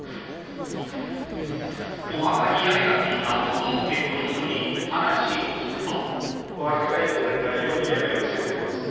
［お墓に屋根が付いた都道府県の人に話を聞くと］